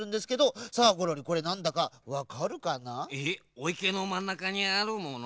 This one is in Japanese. おいけのまんなかにあるもの？